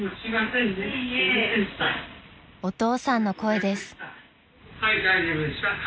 ［お父さんの声です］